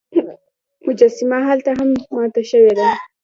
مجسمه هلته هم ماته شوې وه.